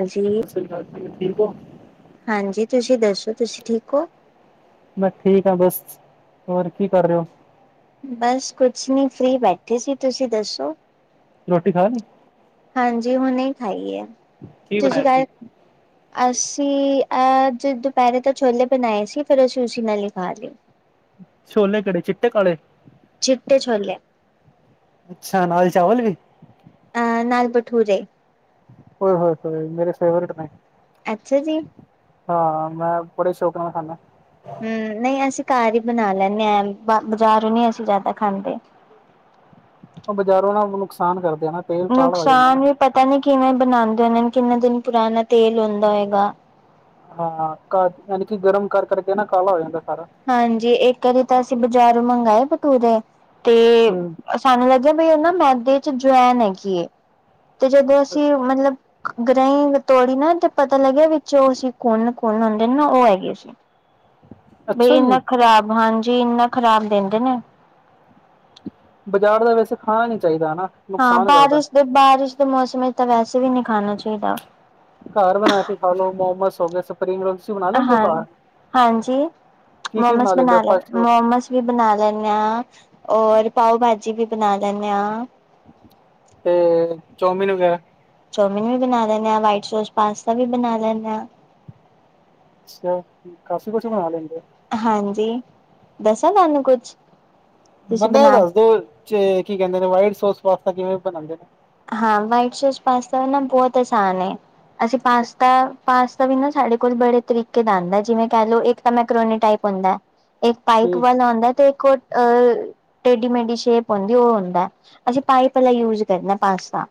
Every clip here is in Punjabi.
ਹਾਂਜੀ। ਸਤਿ ਸ਼੍ਰੀ ਅਕਾਲ ਜੀ, ਠੀਕ ਹੋ। ਹਾਂਜੀ ਤੁਸੀਂ ਦੱਸੋ ਤੁਸੀਂ ਠੀਕ ਓ? ਮੈਂ ਠੀਕ ਆ ਬਸ, ਹੋਰ ਕੀ ਕਰ ਰਹੇ ਓ? ਬਸ ਕੁਛ ਨੀਂ, ਫਰੀ ਬੈਠੇ ਸੀ ਤੁਸੀਂ ਦੱਸੋ? ਰੋਟੀ ਖਾਲੀ? ਹਾਂਜੀ ਹੁਣੇ ਹੀ ਖਾਈ ਹੈ। ਕੀ ਤੁਸੀਂ ਬਣਾਇਆ ਸੀ? ਕੱਲ ਅਸੀਂ ਅੱਜ ਦੁਪਹਿਰੇ ਤਾਂ ਛੋਲੇ ਬਣਾਏ ਸੀ ਫਿਰ ਅਸੀਂ ਉਸੀ ਨਾਲ ਈ ਖਾਲੀ। ਛੋਲੇ ਕਿਹੜੇ ਚਿੱਟੇ ਕਾਲੇ? ਚਿੱਟੇ ਛੋਲੇ। ਅੱਛਾ ਨਾਲ ਚਾਵਲ ਵੀ? ਅ ਨਾਲ ਬਠੂਰੇ। ਉਏ ਹੋਏ-ਹੋਏ ਮੇਰੇ ਫੇਵਰੇਟ ਨੇ। ਅੱਛਾ ਜੀ। ਹਾਂ, ਮੈਂ ਬੜੇ ਸ਼ੌਕ ਨਾਲ ਖਾਨਾ। ਹੂੰ ਨਈ ਅਸੀਂ ਘਰ ਈ ਬਣਾ ਲੈਂਨੇ ਆ ਬਜ਼ਾਰੋਂ ਨੀ ਅਸੀਂ ਜਿਆਦਾ ਖਾਂਦੇ। ਬਜ਼ਾਰੋਂ ਨਾ ਨੁਕਸਾਨ ਕਰਦੇ ਆ ਨਾ। ਤੇਲ ਕਾਲਾ ਹੋ ਜਾਂਦਾ ਨੁਕਸਾਨ ਨਾ। ਵੀ ਪਤਾ ਨੀ ਕਿਵੇਂ ਬਣਾਦੇ ਨੇ ਕਿੰਨੇ ਦਿਨ ਪੁਰਾਣਾ ਤੇਲ ਹੁੰਦਾ ਹੋਏਗਾ। ਹਾਂ ਕਾ ਯਾਨੀ ਕੀ ਗਰਮ ਕਰ ਕਰਕੇ ਨਾ ਕਾਲਾ ਹੋ ਜਾਂਦਾ ਸਾਰਾ। ਹਾਂਜੀ ਇੱਕ ਵਾਰੀ ਤਾਂ ਅਸੀਂ ਬਾਜ਼ਾਰੋਂ ਮੰਗਾਏ ਭਟੂਰੇ, ਤੇ ਹੂੰ। ਸਾਨੂੰ ਲੱਗਿਆ ਬਈ ਉਹ ਨਾ ਮੈਦੇ 'ਚ ਜਵੈਨ ਹੈਗੀ ਏ। ਤੇ ਜਦੋਂ ਅਸੀਂ ਮਤਲਬ ਗਰਾਈ ਤੋੜੀ ਨਾ ਤੇ ਪਤਾ ਲੱਗਿਆ ਵਿੱਚ ਉਹ ਸੀ ਕੁਨ ਕੋਨ ਹੁੰਦੇ ਨਾ ਉਹ ਹੈਗੇ ਸੀ। ਬਈ ਅੱਛਾ ਜੀ, ਇੰਨਾ ਖ਼ਰਾਬ ਹਾਂਜੀ ਇੰਨਾ ਖ਼ਰਾਬ ਦਿੰਦੇ ਨੇ। ਬਾਜ਼ਾਰ ਦਾ ਵੈਸੇ ਖਾਣਾ ਨੀ ਚਾਹੀਦਾ ਹਨਾ। ਹਾਂ ਨੁਕਸਾਨ ਕਰਦਾ। ਬਾਰਿਸ਼ ਦੇ ਬਾਰਿਸ਼ ਦੇ ਮੌਸਮ ਵਿੱਚ ਤਾਂ ਵੈਸੇ ਵੀ ਨੀ ਖਾਣਾ ਚਾਹੀਦਾ। ਘਰ ਬਣਾ ਕੇ ਖਾ ਲੋ ਮੋਮੋਸ ਹੋ ਗਏ ਸ [unintelligible] ਹਾਂ, ਹਾਂਜੀ ਕੀ-ਕੀ ਮੋਮਸ ਲੈਂਦੇ ਹੋ ਬਣਾ ਲੇ ਫਾਸਟ ਫੂਡ ਮੋਮਸ ਵੀ ਬਣਾ ਲੈਂਨੇਂ ਆਂ, ਔਰ ਪਾਓ-ਭਾਜੀ ਵੀ ਬਣਾ ਲੈਂਨੇਂ ਆਂ। ਤੇ, ਚੌਮੀਨ ਵਗੈਰਾ? ਚੌਮਿਨ ਵੀ ਬਣਾ ਲੈਂਣੇ ਆਂ ਵਾਈਟ ਸੌਸ ਪਾਸਤਾ ਵੀ ਬਣਾ ਲੈਂਣੇ ਆਂ। ਛੌ, ਕਾਫੀ ਕੁਛ ਬਣਾ ਲੈਂਦੇ। ਹਾਂਜੀ, ਦੱਸਾਂ ਤਾਂ ਨੂੰ ਕੁਛ? ਤੁਸੀਂ ਮਣੇ ਇਹ ਬਣਾ ਦੱਸ ਦੋ, ਚ ਕੀ ਕਹਿੰਦੇ ਨੇ ਵਾਈਟ ਸੋਸ ਪਾਸਤਾ ਕਿਵੇਂ ਬਣਾਦੇ ਨੇ। ਹਾਂ, ਵਾਈਟ ਸੌਸ ਪਾਸਤਾ ਨਾ ਬੋਤ ਆਸਾਨ ਏ, ਅਸੀਂ ਪਾਸਤਾ ਪਾਸਤਾ ਵੀ ਨਾ ਸਾਡੇ ਕੋਲ ਬੜੇ ਤਰੀਕੇ ਦਾ ਆਂਦਾ ਜਿਵੇਂ ਕੈਲੋ ਇੱਕ ਤਾਂ ਮੈਕਰੋਨੀ ਟਾਈਪ ਹੁੰਦਾ। ਇੱਕ ਪਾਈਕ ਠੀਕ, ਵਾਲਾ ਆਉਂਦਾ ਤੇ ਕੁੱਟ ਅ, ਟੇਢੀ-ਮੇਢੀ ਸ਼ੇਪ ਹੁੰਦੀ ਵੋ ਹੁੰਦਾ, ਅਸੀਂ ਤਾਂ ਹੀ ਪਹਿਲਾਂ ਯੂਜ਼ ਕਰਨਾ। ਪਾਸਤਾ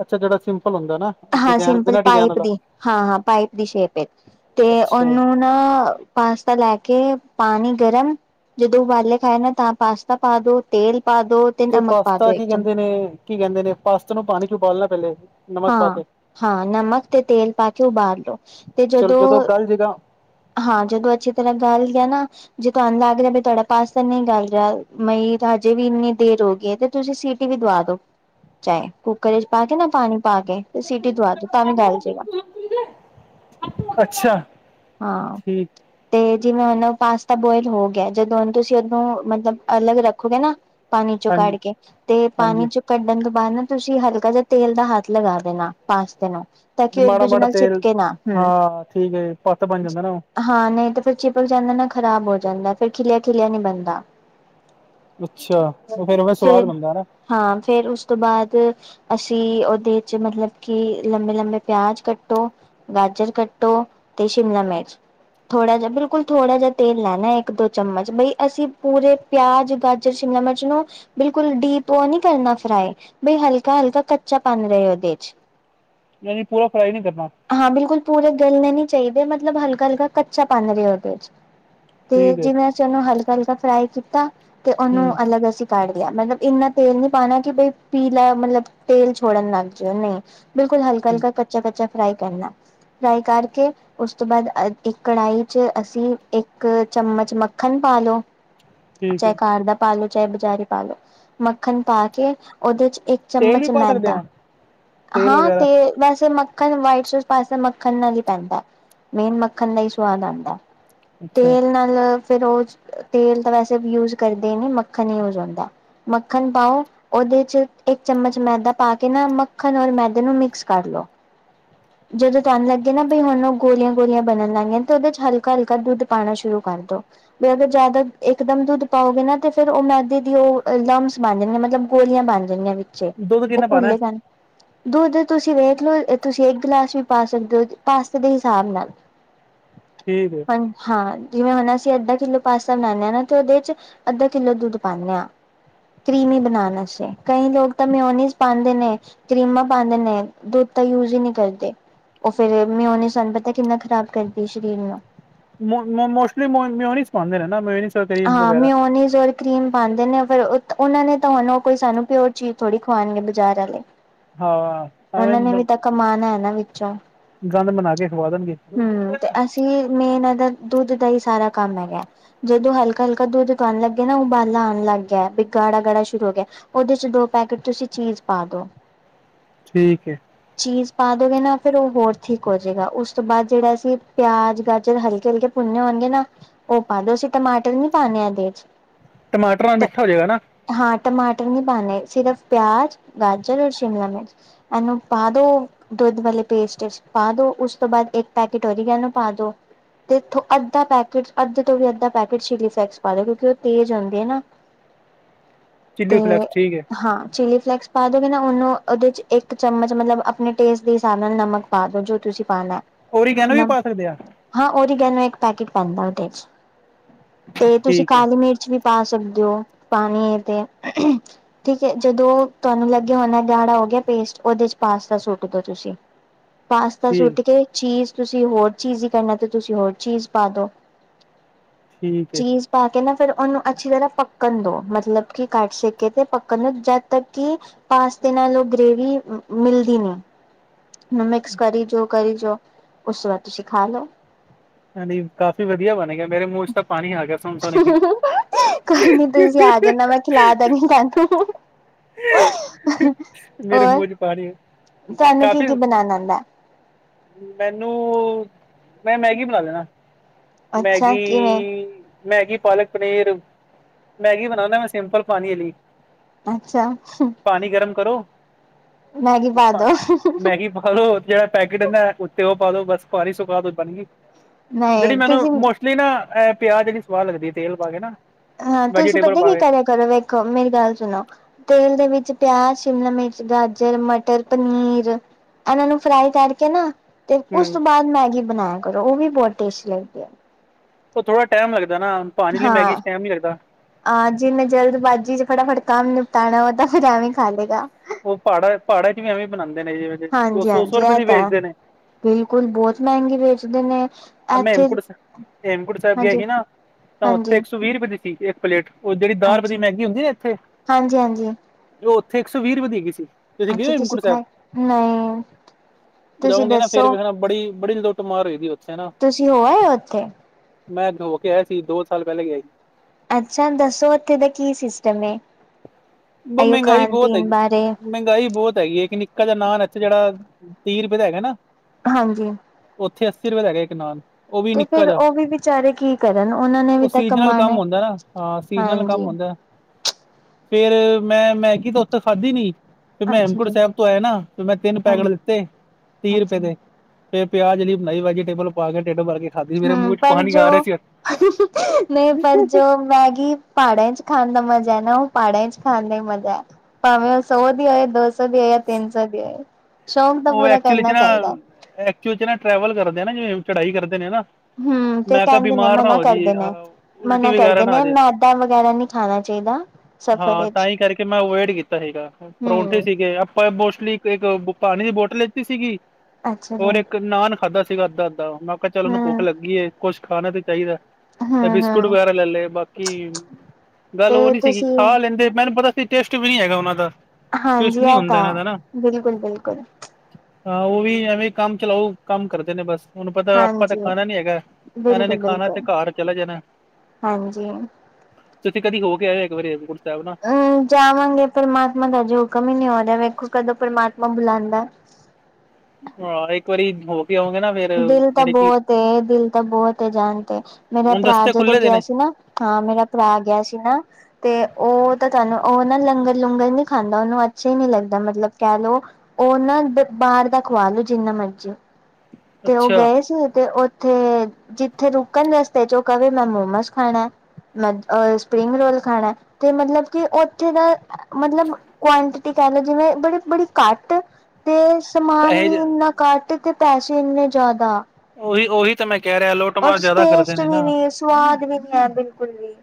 ਅੱਛਾ ਜੇਹੜੀ ਸਿੰਪਲ ਹੁੰਦਾ ਨਾ। ਹਾਂ ਡਿਜ਼ਾਇਨ ਸਿੰਪਲ ਬਿਨਾਂ ਡਿਜ਼ਾਇਨ ਪਾਈਪ ਵਾਲਾ ਦੀ, ਹਾਂ-ਹਾਂ ਪਾਈਪ ਦੀ ਸ਼ੇਪ ਵਿਚ ਤੇ ਅੱਛਾ। ਓਹਨੂੰ ਨੌ, ਪਾਸਤਾ ਲੈਕੇ, ਪਾਣੀ ਗਰਮ ਜਦੋਂ ਉਬਾਲੇ ਖਾਏ ਨਾ ਤਾਂ ਪਾਸਤਾ ਪਾ ਦੋ, ਤੇਲ ਪਾ ਦੋ ਤੇ ਨਮਕ ਪਾ ਦੋ ਪਾਸਤਾ ਇੱਕ ਕੀ ਚਮਚ ਕਹਿੰਦੇ ਨੇ, ਕੀ ਕਹਿੰਦੇ ਨੇ ਪਾਸਤੇ ਨੂੰ ਪਾਣੀ ਚ ਉਬਾਲਣਾ ਪੈਲੇ। ਹਾਂ, ਹਾਂ ਨਮਕ ਤੇ ਤੇਲ ਪਾ ਕੇ ਉਬਾਲ ਲਓ ਤੇ ਜਦੋਂ ਜੀਗਾ। ਹਾਂ ਜਦੋਂ ਅੱਛੀ ਤਰ੍ਹਾਂ ਗਲ ਗਿਆ ਨਾ ਜੇ ਤੁਹਾਨੂੰ ਲੱਗ ਰਿਹਾ, ਵੀ ਤੁਹਾਡਾ ਪਾਸ ਨਈਂ ਗਾ ਆਏ ਰਿਹਾ, ਮਈ ਤੁ ਹਜੇ ਵੀ ਇੰਨੀ ਦੇਰ ਹੋ ਗਈ ਤੇ ਤੁਸੀਂ ਸੀਟ ਸੀਟੀ ਵੀ ਦਿਵਾ ਦਿਓ, ਚਾਏ ਕੁੱਕਰ ਵਿੱਚ ਪਾ ਕੇ ਨਾ ਪਾਣੀ ਪਾ ਕੇ, ਸੀਟੀ ਦਿਵਾ ਦਿਓ ਤਾਂ ਵੀ ਗਲ ਜਾਏਗਾ। ਅੱਛਾ। ਹਾਂ। ਠੀਕ ਤੇ ਜਿਵੇਂ ਹੁਣ ਪਾਸਤਾ ਬੋਇਲ ਹੋ ਗਿਆ ਜਦੋਂ ਹੁਣ ਤੁਸੀਂ ਓਨੂੰ, ਮਤਲਬ ਅਲੱਗ ਰੱਖੋਗੇ ਨਾ। ਪਾਣੀ ਚੋ ਹਾਂਜੀ ਕੱਢ ਕੇ, ਤੇ ਪਾਣੀ ਹਾਂਜੀ ਚ ਕੱਢਣ ਤੋਂ ਬਾਅਦ ਨਾ ਤੁਸੀਂ ਹਲਕਾ ਜਾ ਤੇਲ ਦਾ ਹੱਥ ਲਗਾ ਦੇਣਾ, ਪਾਸਤੇ ਨੂੰ ਤਾਂ ਕਿ ਉਹ ਇੱਕ ਦੂਜੇ ਮਾੜਾ-ਮਾੜਾ ਨਾਲ ਤੇਲ, ਚਿਪਕੇ ਨਾ ਹਮ ਹਾਂ ਠੀਕ ਏ ਪੱਤ ਬਣ ਜਾਂਦਾ ਨਾ ਓ। ਹਾਂ ਨਈ ਤੇ ਫਿਰ ਚਿਪਕ ਜਾਂਦਾ ਨਾ ਖ਼ਰਾਬ ਹੋ ਜਾਂਦਾ ਫਿਰ ਖਿੱਲਿਆ-ਖਿੱਲਿਆ ਨਈ ਬਣਦਾ। ਅੱਛਾ ਉਹ ਫੇਰ ਉਹਵੇਂ ਸਵਾਦ ਫਿਰ, ਬਣਦਾ ਨਾ ਹਾਂ ਫੇਰ ਉਸ ਤੋਂ ਬਾਅਦ ਅਸੀਂ ਓਦੇ ਚ ਮਤਲਬ ਕਿ, ਲੰਬੇ-ਲੰਬੇ ਪਿਆਜ਼ ਕੱਟੋ। ਗਾਜਰ ਕੱਟੋ, ਤੇ ਸ਼ਿਮਲਾ ਮਿਰਚ। ਥੋੜ੍ਹਾ ਜਾ ਬਿਲਕੁਲ ਥੋੜ੍ਹਾ ਜਾ ਤੇਲ ਲੈਣਾ ਇੱਕ-ਦੋ ਚਮਚ ਬਈ ਅਸੀਂ ਪੂਰੇ ਪਿਆਜ਼, ਗਾਜਰ, ਸ਼ਿਮਲਾ ਮਿਰਚ ਨਾ ਬਿਲਕੁਲ ਡੀਪ ਓਹ ਨਈਂ ਕਰਨਾ ਫਰਾਏ, ਬਈ ਹਲਕਾ-ਹਲਕਾ ਕੱਚਾਪਣ ਰਹੇ ਓਦੇ ਚ। [unintelligible] ਯਾਨੀ ਪੂਰਾ ਫਰਾਈ ਨਈ ਕਰਨਾ। ਹਾਂ ਬਿਲਕੁਲ ਪੂਰੇ ਗਿਲਨੇ ਨਈ ਚਹੀਦੇ ਮਤਲਬ ਹਲਕਾ-ਹਲਕਾ ਕੱਚਾਪਣ ਰਹੇ ਓਦੇ ਚ। ਤੇ ਠੀਕ ਹੈ ਜਿਵੇਂ ਅਸੀਂ ਉਹਨੂੰ ਹਲਕਾ-ਹਲਕਾ ਫਰਾਈ ਕੀਤਾ, ਤੇ ਉਹਨੂੰ ਹਮ ਅਲੱਗ ਅਸੀਂ ਕੱਢ ਲਿਆ, ਮਤਲਬ ਇੰਨਾ ਤੇਲ ਨੀ ਪਾਣਾ ਕੀ ਬਈ, ਪੀ ਲੈ, ਮਤਲਬ ਤੇਲ ਛੋਡਨ ਲੱਗ ਜਾਏ ਨਈ। ਬਿਲਕੁਲ ਠੀਕ ਹਲਕਾ-ਹਲਕਾ, ਕੱਚਾ-ਕੱਚਾ ਫਰਾਈ ਕਰਨਾ, ਫਰਾਈ ਕਰਕੇ ਉਸ ਤੋਂ ਬਾਦ ਆਦ ਇੱਕ ਕੜਾਈ ਚ ਅਸੀਂ ਇੱਕ ਚਮਚ ਮੱਖਣ ਪਾ ਲਓ। ਠੀਕ ਹੈ ਚਾਏ ਘਰ ਦਾ ਪਾ ਲਓ ਚਾਏ ਬਜ਼ਾਰੀ ਪਾ ਲਓ, ਮੱਖਣ ਪਾ ਕੇ, ਓਦੇ ਚ ਇੱਕ ਤੇਲ ਵੀ ਚਮਚ ਪਾ ਸਕਦੇ ਮੈਦਾ, ਹਾਂ ਤੇਲ ਹਾਂ ਵਗੈਰਾ ਤੇ‌, ਵੈਸੇ ਮੱਖ ਖਲ ਵਾਈਟ ਸੌਸ ਪਾਸੇ ਮੱਖਣ ਨਾਲ ਈ ਪੈਂਦਾ। ਮੈਨ ਮੱਖਣ ਨਈ ਸਵਾਦ ਆਂਦਾ, ਅੱਛਾ ਤੇਲ ਨਾਲ ਜਾ ਫੇਰ ਓ ਚ' ਤੇਲ ਤਾਂ ਵੈਸੇ ਯੂਜ ਕਰਦੇ ਨੇ, ਮੱਖਣ ਈ ਯੂਜ ਹੁੰਦਾ। ਮੱਖਣ ਪਾਓ ਓਦੇ ਚ, ਇੱਕ ਚਮਚ ਮੈਦਾ ਪਾ ਕੇ ਨਾ ਮੱਖਣ ਔਰ ਮੈਦੇ ਨੂੰ ਮਿਕਸ ਕਰ ਲਓ। ਜਦੋਂ ਤੁਆਨੂੰ ਲੱਗੇ ਨਾ ਬਈ ਹੁਣੂ ਗੋਲੀਆਂ-ਗੋਲੀਆਂ ਬਣਨ ਲਈਆਂ ਤੇ ਓਦੇ ਚ ਹਲਕਾ-ਹਲਕਾ ਦੁੱਧ ਪਾਣਾ ਸ਼ੁਰੂ ਕਰ ਦੋ। ਵੇ ਅਗਰ ਜਾਦਾਂ ਇੱਕਦਮ ਦੁੱਧ ਪਾਓਗੇ ਨਾ ਤੇ ਫੇਰ ਓ ਮੈਦੇ ਦੀ ਓ ਲੰਮਸ ਬਣ ਜਾਣਗੇ ਮਤਲਬ ਗੋਲੀਆਂ ਬਣ ਜਾਣੀਆਂ ਵਿੱਚੇ, ਦੁੱਧ ਓਹ ਕਿੰਨਾ ਪਾਣਾ ਹੈ ਘੁਲੇਗਾ ਨਈ। ਦੁੱਧ ਤੁਸੀਂ ਵੇਖ ਲਓ, ਤੁਸੀਂ ਇੱਕ ਗਿਲਾਸ ਵੀ ਪਾ ਸਕਦੇ ਹੋ ਪਾਸਤ ਬੀਸ ਧਿਆਨ ਨਾਲ। ਠੀਕ ਏ। ਅਨ ਹਾਂ ਜਿਵੇਂ ਹੁਣ ਅਸੀਂ ਅੱਧਾ ਕਿੱਲੋ ਪਾਸਤਾ ਬਣਾਨੇ ਆ ਨਾ ਤੇ ਓਦੇ ਚ ਅੱਧਾ ਕਿੱਲੋ ਦੁੱਧ ਪਾਨੇ ਆ। ਕਰੀਮੀ ਬਣਾਣ ਵਾਵਸੇ, ਕਈ ਲੋਕ ਤਾਂ ਮਿਓਨੀਸ ਪਾਂਦੇ ਨੇ। ਕਰੀਮਾਂ ਪਾਉਦੇ ਨੇ, ਦੁੱਧ ਤਾਂ ਯੂਜ ਈ ਨਈਂ ਕਰਦੇ, ਉਹ ਫੇਰ ਮਿਉਨੀਸਨ ਤਾਂ ਕਿੰਨਾ ਖ਼ਰਾਬ ਕਰਦੀ ਸਰੀਰ ਨੂੰ। ਮ ਮੋਸਲੀ ਮਿਓਨੀਸ ਪਾਂਦੇ ਨੇ ਨਾ ਮਿਓਨਿਸ। ਹਾਂ ਮੇਊਨੀ ਸੋਸ ਕਰੀਮ ਪਾਦੇ ਨੇ ਫਿਰ ਓ ਓਨਾਂ ਨੇ ਤਾਂ ਤੁਹਾਨੂੰ ਕੋਈ ਸਾਨੂੰ ਪਿਓਰ ਚੀਜ਼ ਥੋੜੀ ਖਵਾਣੀ ਬਾਜ਼ਾਰ ਵਾਲੇ ਹਾਂ ਐਵੇਂ ਓਨਾਂ ਨੇ ਵੀ ਤਾਂ ਕਮਾਣਾ ਆ ਵਿੱਚੋਂ। ਗੰਦ ਬਨਾ ਕੇ ਖਵਾ ਦੇਣਗੇ। ਹੂੰ ਤੇ ਅਸੀਂ ਮੇਨ ਏਦਰ ਦੁੱਧ ਦਾ ਹੀ ਸਾਰਾ ਕੰਮ ਹੈਗਾ ਜਦੋਂ ਹਲੀ ਕਲ ਕਾ ਦੂਧ ਤੋਂ ਉਬਾਲਾ ਆਣ ਲਾ ਗੇਆ ਨਾ ਉਬਾਲਾ ਆਣ ਲੱਗ ਗਿਆ, ਬੀ ਗਾੜਾ-ਗਾੜਾ ਸ਼ੁਰੂ ਹੋ ਗਿਆ। ਓਦੇ ਚ ਦੋ ਪੈਕੇਟ ਤੁਸੀਂ ਚੀਸ ਪਾ ਦੋ। ਠੀਕ ਐ। ਚੀਸ ਪਾ ਦੋਗੇ ਨਾ ਫੇਰ ਓ ਹੋਰ ਠੀਕ ਹੋ ਜੇਗਾ ਉਸ ਤੋਂ ਬਾਦ ਜੇੜਾ ਅਸੀਂ ਪਿਆਜ, ਗਾਜਰ, ਹਲਕੇ-ਹਲਕੇ ਭੁੰਨੇ ਹੋਣਗੇ ਨਾ ਓਪਾ ਦੋ ਅਸੀਂ ਟਮਾਟਰ ਨੀ ਪਾਣੇ ਏਦੇ ਚ ਟਮਾਟਰ ਨਾ ਮਿਠਾ ਹੋ ਜੇਗਾ ਨਾ ਹਾਂ ਟਮਾਟਰ ਨੀ ਪਾਣੇ ਸਿਰਫ਼ ਪਿਆਜ, ਗਾਜਰ, ਸ਼ਿਮਲਾ ਮਿਰਚ। ਐਨੂੰ ਪਾਦੋ ਦੁੱਧ ਵਾਲੇ ਪੇਸਟ ਚ ਪਾ ਦੋ ਉਸ ਤੋਂ ਬਾਦ ਇੱਕ ਪੈਕੇਟ ਓਰੀਗਏਨੋ ਪਾ ਦੋ। ਤੇ ਅੱਧਾ ਪੈਕੇਟ ਅੱਧੇ ਤੋਂ ਵੀ ਅੱਧਾ ਪੈਕੇਟ ਚਿਲੀ ਮੈਕਸ ਪਾਦੇ ਕਿਉਂਕਿ ਉਹ ਤੇਜ਼ ਆਦੀ ਏ ਨਾ, ਤੇ ਚਿੱਲੀ ਫਲੈਕਸ ਠੀਕ ਹੈ ਹਾਂ ਚਿਲੀ ਫਲੇਕਸ ਪਾ ਦਓਗੇ ਨਾ ਓਨੂੰ ਓਦੇ ਚ ਇੱਕ ਚਮਚ ਮਤਲਬ ਆਪਣੇ ਟੇਸਟ ਦੇ ਹਿਸਾਬ ਨਾਲ ਨਮਕ ਪਾ ਦੋ ਜੋ ਤੁਸੀਂ ਪਾਣੈ। ਓਰੇਗੇਨੋ ਵੀ ਪਾ ਸਕਦੇ ਆ? ਹਾਂ ਉਰੀਗੇਨੋ ਇੱਕ ਪੈਕੇਟ ਪੈਂਦਾ ਉਹਦੇ ਚ। ਤੇ ਤੁਸੀਂ ਠੀਕ ਹੈ ਕਾਲੀ ਮਿਰਚ ਵੀ ਪਾ ਸਕਦੇ ਓ ਪਾਣੀ ਏ ਤੇ। ਠੀਕ ਏ ਜਦੋਂ ਤੁਹਾਨੂੰ ਲੱਗਿਆ ਹੋਣਾ ਗਾੜਾ ਹੋ ਗਿਆ ਪੇਸਟ ਓਦੇ ਚ ਪਾਸਤਾ ਸੁੱਟ ਦੋ ਤੁਸੀਂ। ਪਾਸਤਾ ਠੀਕ ਸੁੱਟ ਕੇ ਚੀਸ ਤੁਸੀਂ ਹੋਰ ਚੀਸ ਕਰਨਾ ਤੇ ਤੁਸੀਂ ਹੋਰ ਚੀਸ ਪਾ ਦੋ। ਠੀਕ ਹੈ ਚੀਸ ਪਾ ਕੇ ਨਾ ਫੇਰ ਓਨੂੰ ਅੱਛੀ ਤਰ੍ਹਾਂ ਪੱਕਣ ਦੋ, ਮਤਲਬ ਕੀ ਘੱਟ ਸੇਕੇ ਤੇ ਪੱਕਣ ਨੂੰ ਜਦ ਤੱਕ ਕਿ ਪਾਸਤੇ ਨਾਲ ਓ ਗ੍ਰਰੇਵੀ ਮਿਲਦੀ ਨੀ। ਮਿਕਸ ਕਰੀ ਜੋ-ਕਰੀ ਜੋ ਉਸ ਤੋਂ ਬਾਦ ਤੁਸੀਂ ਖਾ ਲੋ। ਹਾਂਜੀ, ਕਾਫ਼ੀ ਵਧੀਆ ਬਣੇਗਾਮੇਰੇ ਮੂੰ ਚ ਤਾਂ ਪਾਣੀ ਆ ਗਿਆ ਸੁਣ ਸੁਣ ਕੇ ਕੋਈ ਨੀ ਤੁਸੀਂ ਆ ਜਾਂਣਾ, ਮੈਂ ਖਿਲਾ ਦਾਂਗੀ ਤੁਹਾਨੂੰ। ਮੇਰੇ ਹੋਰ, ਮੂੰਹ ਚ ਪਾਣੀ ਤੁਹਾਨੂੰ ਕਾਫੀ ਕੀ-ਕੀ ਬਣਾਣ ਆਦੈ? ਮੈਨੂੰ, ਮੈਂ ਮੈਗੀ ਬਣਾ ਲੈਨਾ, ਅੱਛਾ ਮੈਗੀ ਕਿਵੇਂ ਮੈਗੀ, ਪਾਲਕ ਪਨੀਰ, ਮੈਗੀ ਬਣਾਦਾ ਮੈਂ ਸਿੰਪਲ ਪਾਣੀ ਵਾਲੀ। ਅੱਛਾ ਪਾਣੀ ਗਰਮ ਕਰੋ, ਮੈਗੀ ਪਾ ਦੋ ਮੈਗੀ ਪਾਲੋ ਜੇੜਾ ਪੈਕੇਟ ਆਂਦੈ ਉਤੇ ਓ ਪਾ ਦੋਬਸ ਪਾਣੀਂ ਸੁਕਾ ਦੋ ਬਣ ਗਈ ਜੇੜੀ ਨਹੀਂ ਮੈਨੂੰ ਤੁਸੀਂ ਮੋਸਟਲੀ ਨਾ ਅਹ ਪਿਆਜ ਵਾਲੀ ਜੇੜੀ ਸਵਾਦ ਲੱਗਦੀ ਐ ਤੇਲ ਪਾ ਕੇ ਨਾ ਹਾਂ, ਤੁਸੀਂ ਵੈਜੀਟੇਬਲ ਪਤਾ ਪਾ ਕੀ ਕੇ ਕਰਿਆ ਕਰੋ ਵੇਖੋ ਮੇਰੀ ਗੱਲ ਸੁਣੋ ਤੇਲ ਦੇ ਵਿੱਚ ਪਿਆਜ, ਸ਼ਿਮਲਾ ਮਿਰਚ, ਗਾਜਰ, ਮਟਰ, ਪਨੀਰ। ਐਨਾਂ ਨੂੰ ਫਰਾਈ ਕਰਕੇ ਨਾ ਤੇ ਹੂੰ ਉਸ ਤੋਂ ਬਾਦ ਮੈਗੀ ਬਣਾਇਆ ਕਰੋ ਓ ਵੀ ਬਹੁਤ ਟੇਸਟੀ ਲੱਗਦੀ ਆ ਓ ਥੋੜਾ ਟਾਈਮ ਲੱਗਦਾ ਨਾ ਪਾਣੀ ਲਈ ਮੈਗੀ ਚ ਟਾਈਮ ਨਈ ਲੱਗ ਦਾ। ਹਾਂ ਜਿਨੇ ਜਲਦ ਬਾਜੀ ਚ ਫਟਾਫਟ ਕੰਮ ਨਿਪਟਾਨਾ ਹੋ ਤਾਂ ਫਿਰ ਐਂਵੇਂ ਹੀ ਖਾ ਲੇਗਾ। ਓ ਭਾੜਾ-ਭਾੜਾਂ ਚ ਵੀ ਐਵੇਂ ਬਣਾਦੇ ਨੇ ਜਿਵੇ ਕੇ ਓ ਸੋ-ਸੋ ਹਾਂਜੀ-ਹਾਂਜੀ ਰੁਪਏ ਇਹ ਦੀ ਤਾਂ ਵੇਚਦੇ ਨੇ। ਬਿਲਕੁਲ ਬੌਤ ਮੈਂਗੀ ਵੇਚਦੇ ਨੇ। ਆ ਮੈਂ ਇੱਥੇ ਹੇਮਕੁਟ ਸਾ ਹੇਮਕੁਟ ਸੈਬ ਗਿਆ ਈ ਨਾ ਤਾਂ ਉੱਥੇ ਹਾਂਜੀ-ਹਾਂਜੀ ਇੱਕ ਸੌ ਵੀ ਰੁਪਏ ਦੀ ਇੱਕ ਪਲੇਟ, ਓ ਜੇੜੀ ਦਹ ਰੁਪਏ ਦੀ ਅੱਛਾ ਮੈਂਗੀ ਹੁੰਦੀ ਨਾ ਇੱਥੇ। ਹਾਂਜੀ-ਹਾਂਜੀ। ਓ ਉੱਥੇ ਇੱਕ ਸੌ ਵੀ ਰੁਪਏ ਦੀ ਗਈ ਸੀ। ਤੁਸੀਂ ਗਏ ਹੋ ਅੱਛਾ ਤੁਸੀ ਹੇਮਕੁੰਟ ਖਾਏ, ਨਹੀਂ ਤੁਸੀਂ ਜਾਊਂਗੇ ਨਾ ਫੇਰ ਦੱਸੋ ਵੇਖਣਾ, ਬੜੀ ਬੜੀ ਲੁੱਟ ਮਾਰ ਹੋਏਗੀ ਉੱਥੇ ਹਨਾ। ਤੁਸੀਂ ਹੋ ਆ ਹੋ ਉੱਥੇ? ਮੈਂ ਹੋ ਕੇ ਆਇਆ ਸੀ, ਦੋ ਸਾਲ ਪਹਿਲਾਂ ਗਿਆ ਸੀ। ਅੱਛਾ, ਦੱਸੋ ਉੱਥੇ ਦਾ ਕੀ ਸਿਸਟਮ ਹੈ, ਬ ਇਹੋ ਮਹਿੰਗਾਈ ਖਾਣ ਬਹੁਤ ਪੀਣ ਹੈਗੀ ਬਾਰੇ। ਮਹਿੰਗਾਈ ਬਹੁਤ ਹੈਗੀ ਹੈ। ਇੱਕ ਨਿੱਕਾ ਜਿਹਾ ਨਾਨ ਇਥੇ ਜਿਹੜਾ ਤੀਹ ਰੁਪਏ ਦਾ ਹੈਗਾ ਨਾ। ਹਾਂਜੀ। ਉੱਥੇ ਅੱਸੀ ਰੁਪਏ ਦਾ ਹੈਗਾ ਇੱਕ ਨਾਨ ਉਹ ਵੀ ਤੇ ਨਿੱਕਾ ਫਿਰ ਜਿਹਾ। ਉਹ ਵੀ ਵਿਚਾਰੇ ਕੀ ਕਰਨ ਉਹਨਾਂ ਨੇ ਵੀ ਉਹ ਤਾਂ ਸੀਜਨਲ ਕਮਾਣਾ ਕੰਮ ਹੁੰਦਾ ਨਾ, ਹਾਂ ਸੀਜਨਲ ਹਾਂਜੀ ਕੰਮ ਹੁੰਦਾ। ਫੇਰ, ਮੈਂ ਮੈਗੀ ਤਾਂ ਉੱਥੇ ਖਾਧੀ ਨੀਂ ਫਿਰ ਮੈਂ ਅੱਛਾ ਹੇਮਕੁਂਟ ਜੀ ਸਾਹਿਬ ਤੋਂ ਆਇਆ ਨਾ। ਫਿਰ ਮੈਂ ਤਿੰਨ ਹਾਂ ਪੈਕਟ ਲਿੱਤੇ ਤੀਹ ਰੁਪਏ ਅੱਛਾ ਦੇ ਫਿਰ ਪਿਆਜ ਲਈ ਬਣਾਈ ਵੈਜੀਟੇਬਲ ਪਾ ਕੇ, ਢਿੱਡ ਭਰ ਕੇ ਖਾਧੀ ਮੇਰੇ ਹਮ ਮੂੰਹ ਚ ਪਰ ਪਾਣੀ ਜੋ, ਆ ਰਿਹਾ ਸੀ ਨਹੀਂ ਪਰ ਜੋ ਮੈਗੀਂ ਪਹਾੜਾਂ ਚ ਖਾਣ ਦਾ ਮਜਾ ਹੈ ਨਾ। ਉਹ ਪਹਾੜਾਂ ਚ ਖਾਣ ਦਾ ਹੀ ਮਜ਼ਾ ਹੈ। ਭਾਵੇਂ ਉਹ ਸੋ ਦੀ ਹੋਏ ਦੋ ਸੋ ਜਾਂ ਤਿੰਨ ਸੌ ਰੁਪਏ ਦੀ ਹੋਏ। ਸ਼ੌਂਕ ਤਾਂ ਪੂਰਾ ਕਰਨਾ ਚਾਹੀਦਾ। ਕਿਉਂ ਜਿਹੜਾ ਟਰੈਵਲ ਕਰਦੇ ਨਾ ਜਿਵੇਂ, ਚੜਾਈ ਕਰਦੇ ਨੇ ਨਾ। ਹੰਮ, ਤੇ ਮੈਂ ਕਿਹਾ ਕਹਿੰਦੇ ਨੇ ਬਿਮਾਰ ਨਾ ਮਨਾ ਹੋ ਜਾਈਏ ਕਰਦੇ ਨੇ, ਉਲਟੀ ਮਨਾ ਵਗੈਰਾ ਕਰਦੇ ਨਾ ਆ ਨੇ ਜਾਏ ਮੈਦਾ ਵਗੈਰਾ ਨਹੀਂ ਖਾਣਾ ਚਾਹੀਦਾ। ਸਫ਼ਰ ਹਾਂ ਤਾਂ ਵਿੱਚ ਹੀ ਕਰਕੇ ਮੈਂ ਅਵੋਇਡ ਕੀਤਾ ਸੀ ਗਾ, ਪਰੌਂਠੇ ਹਮ ਸੀਗੇ ਮੋਸਟਲੀ ਇੱਕ ਪਾਣੀ ਦੀ ਬੋਟਲ ਲਤੀ ਸੀਗੀ। ਅੱਛਾ ਜੀ ਔਰ ਇੱਕ ਨਾਨ ਖਾਧਾ ਸੀਗਾ ਅੱਧਾ ਮੈਂ ਕਿਹਾ ਚੱਲੋ ਉਹਨੂੰ ਭੁੱਖ ਹੂੰ ਲੱਗੀ ਏ। ਕੁੱਛ ਖਾਣਾ ਤੇ ਚਾਹੀਦਾ ਹੈ। ਤੇ ਹੂੰ ਬਿਸਕੁਟ ਹੂੰ ਵਗੈਰਾ ਲੈ ਲਏ। ਬਾਕੀ ਗੱਲ ਉਹ ਤੇ ਨੀ ਸੀ ਗੀ ਤੁਸੀਂ ਖਾ ਲੈਂਦੇ ਮੈਨੂੰ ਪਤਾ ਟੇਸਟ ਵੀ ਨਹੀ ਹੈਗਾ ਉਹਨਾਂ ਦਾ। ਟੇਸਟ ਹਾਂਜੀ ਨਹੀਂ ਇਹ ਹੁੰਦਾ ਤਾਂ ਇਹਨਾਂ ਹੈ, ਦਾ ਨਾ ਬਿਲਕੁਲ ਬਿਲਕੁਲ। ਹਾਂ ਉਹ ਵੀ ਐਵੇਂ ਕੰਮ ਚਲਾਓ, ਕੰਮ ਕਰਦੇ ਨੇ ਬਸ ਉਹਨੂੰ ਪਤਾ ਆਪਾਂ ਤਾਂ ਹਾਂਜੀ ਖਾਣਾ ਨੀ ਹੈਗਾ। ਇਹਨਾਂ ਨੇ ਬਿਲਕੁਲ ਖਾਣਾ ਹੈ ਤੇ ਬਿਲਕੁਲ ਘਰ ਚਲੇ ਜਾਣਾ ਹੈ। ਹਾਂਜੀ ਤੁਸੀਂ ਕਦੀ ਹੋ ਕੇ ਆਇਓ। ਇੱਕ ਵਾਰੀ ਹੇਮਕੁੰਟ ਸਾਹਿਬ ਨਾ। ਹੁੰ ਜਾਵਾਂਗੇ ਪਰਮਾਤਮਾ ਦਾ ਅਜੇ ਹੁਕਮ ਹੀ ਨਹੀਂ ਆ ਰਿਹਾ। ਵੇਖੋ ਕਦੋਂ ਪਰਮਾਤਮਾ ਬੁਲਾਉਂਦਾ ਹੋ ਆਓ ਇੱਕ ਵਾਰੀ ਹੋ ਕੇ ਆਓਗੇ ਨਾ ਦਿਲ ਤਾਂ ਯਾਨੀ ਕਿ ਬਹੁਤ ਹੈ, ਦਿਲ ਤਾਂ ਬਹੁਤ ਹੈ ਜਾਣ ਤੇ, ਮੇਰਾ ਹੁਣ ਭਰਾ ਰਸਤੇ ਜਦੋਂ ਖੁੱਲੇ ਦੇ ਗਿਆ ਨੇ ਸੀ ਨਾ ਹਾਂ ਮੇਰਾ ਭਰਾ ਆ ਗਿਆ ਸੀ ਨਾ। ਤੇ ਉਹ ਤਾਂ ਤੁਹਾਨੂੰ ਉਹ ਨਾ ਲੰਗਰ ਲੂੰਗਰ ਨੀ ਖਾਂਦਾ ਉਹਨੂੰ ਅੱਛਾ ਹੀ ਨੀ ਲੱਗਦਾ ਮਤਲਬ ਕਹਿ ਲਓ ਉਹ ਨਾ ਬਾਹਰ ਦਾ ਖਵਾ ਲੋ ਜਿੰਨਾ ਮਰਜ਼ੀ, ਤੇ ਉਹ ਅੱਛਾ ਗਏ ਸੀ ਤੇ ਉਹ ਤੇ ਜਿੱਥੇ ਰੁਕਣ ਰਸਤੇ ਚ। ਉਹ ਕਵੇ ਮੈਂ ਮੋਮੋਸ ਖਾਣਾ। ਹੁੰ ਮੈਂ ਸਪਰਿੰਗ ਰੋਲ ਖਾਣਾ ਤੇ ਮਤਲਬ ਕਿ ਉੱਥੇ ਦਾ। ਮਤਲਬ ਕੁਆਂਆਂਟਿਟੀ ਕਹਿ ਲਓ ਜਿਵੇਂ ਬੜੇ ਬੜੀ ਘੱਟ ਤੇ ਸਮਾਨ ਵੀ ਪੈਸੇ ਇਨਾ ਘੱਟ, ਤੇ ਪੈਸੇ ਇੰਨੇ ਜ਼ਿਆਦਾ। ਉਹੀ, ਉਹੀ ਤਾਂ ਮੈਂ ਕਹਿ ਰਿਹਾ ਲੋ ਟੇਸਟ ਵੀ ਨੀ ਹੈ, ਸਵਾਦ ਵੀ ਨੀ ਹੈ ਬਿਲਕੁਲ ਵੀ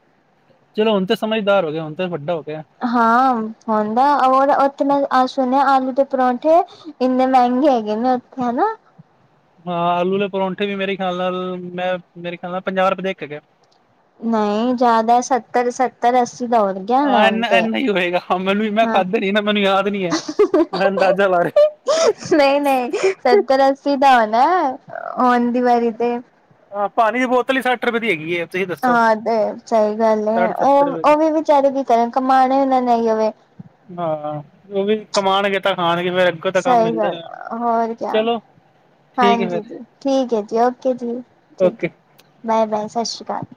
ਚਲੋ, ਹੁਣ ਤਾਂ ਸਮਝਦਾਰ ਹੋ ਗਿਆ। ਹੁਣ ਤੇ ਵੱਡਾ ਹੋ ਗਿਆ। ਹਾਂ ਹੁਣ ਤੇ, ਹੋਰ ਉੱਥੇ ਮੈਂ ਸੁਣਿਆ ਆਲੂ ਦੇ ਪਰੋਂਠੇ ਇੰਨੇ ਮਹਿੰਗੇ ਹੈਗੇ ਨੇ, ਉੱਥੇ ਹਨਾ। ਹਾਂ ਆਲੂ ਦੇ ਪਰੌਂਠੇ ਵੀ, ਮੇਰੇ ਖਿਆਲ ਨਾਲ, ਮੈਂ ਮੇਰੇ ਖਿਆਲ ਨਾਲ ਪੰਜਾਹ ਰੁਪਏ ਦਾ ਇੱਕ ਹੈਗਾ। ਨਹੀਂ ਜ਼ਿਆਦਾ, ਸੱਤਰ-ਸੱਤਰ, ਅੱਸੀ ਦਾ ਹੋਣਾ ਹਾਂ ਹੁਣ ਇੰਨਾ ਤੇ ਇੰਨਾ ਹੀ ਹੋਏਗਾ, ਮੈਨੂੰ ਮੈਂ ਹਾਂ ਖਾਧੇ ਨਹੀ ਨਾ ਮੈਨੂੰ ਯਾਦ ਨੀਂ ਹੈ ਮੈਂ ਅੰਦਾਜ਼ਾ ਲਾ ਰਿਹਾ ਨਹੀਂ ਨਹੀਂ ਸੱਤਰ ਅੱਸੀ ਦਾ ਹੋ ਨਾ, ਉਹਂਦੀ ਵਾਰੀ ਤੇ। ਹਾਂ, ਪਾਣੀ ਦੀ ਬੋਤਲ ਹੀ ਸੱਠ ਰੁਪਏ ਦੀ ਹੈਗੀ ਹੈ। ਤੁਸੀਂ ਦੱਸੋ ਹਾਂ ਤੇ ਸਹੀ ਗੱਲ ਹੈ, ਸਾਢੇ ਸੱਤਰ ਉਹ ਰੁਪਏ ਉਹ ਦੀ ਵੀ ਵਿਚਾਰੇ ਵੀ ਕਰਨ ਕਮਾਣੇ ਉਹਨਾਂ ਨੇ ਏਹੀ ਵੇ ਹਾਂ, ਉਹ ਵੀ ਕਮਉਣਗੇ ਤਾਂ ਖਾਣਗੇ ਫੇਰ ਤਾਂ ਕੰਮ ਸਹੀ ਮਿਲਦਾ ਗੱਲ, ਰਹਿਣਾ ਹੋਰ ਕਿਆ ਚਲੋ ਠੀਕ ਹੈ ਹਾਂਜੀ, ਠੀਕ ਹੈ ਜੀ ਓਕੇ ਜੀ, ਫਿਰ ਓਕੇ ਬਾਏ-ਬਾਏ ਸਤਿ ਸ਼੍ਰੀ ਅਕਾਲ।